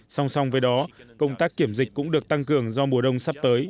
song song với đó công tác kiểm dịch cũng được tăng cường do mùa đông sắp tới